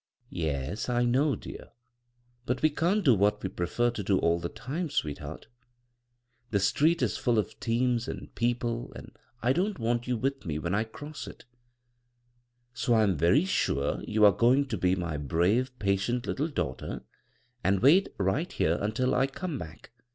" Yes, I know, dear ; but we can't do what we prefer to do all the time, sweetheart The street is very full of teams and people and I don't want you with me when I cross it So, I am very sure you are going to be my brave, patient little daughter and wait rig^t here until I come back.